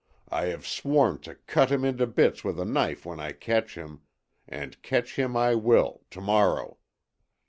I have sworn to cut him into bits with a knife when I catch him and catch him I will, to morrow.